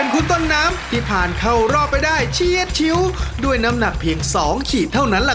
คนที่ตักได้กิโลทองน้อยที่สุด